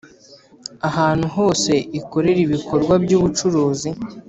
ahantu hose ikorera ibikorwa by ubucuruzi